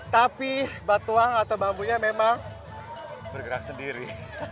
tapi batuang atau bambunya memang bergerak sendiri